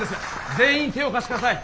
全員手を貸して下さい。